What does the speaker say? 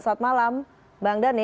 selamat malam bang daniel